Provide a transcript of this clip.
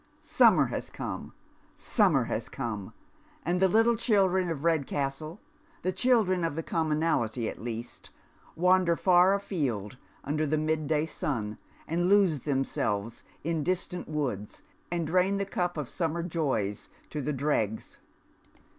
Summer has come — summer has come — and the little children of Red castle — the children of the commonality, at least — wander far afield imder the mid day sun, and lose themselves in distant woods, and drain the cup of summer joys to the dregs.